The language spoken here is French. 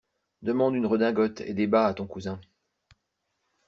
Demande une redingote et des bas à ton cousin!